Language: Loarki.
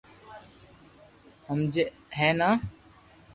ھمجي ھي نا